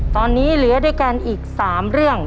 ตอนนี้เหลือด้วยกันอีก๓เรื่อง